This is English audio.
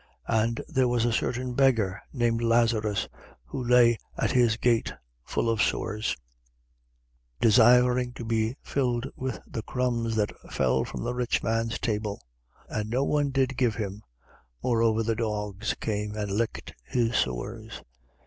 16:20. And there was a certain beggar, named Lazarus, who lay at his gate, full of sores, 16:21. Desiring to be filled with the crumbs that fell from the rich man's table. And no one did give him: moreover the dogs came and licked his sores.